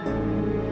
sampai jumpa dil